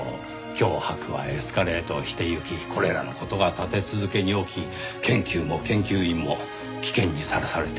脅迫はエスカレートしていきこれらの事が立て続けに起き研究も研究員も危険にさらされてしまった。